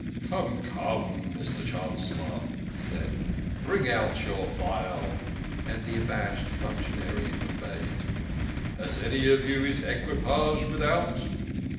" Come, come, Mr. Chancellor," he said, " bring out your phial." And the abashed functionary obeyed. "Has any of you his equipage without?"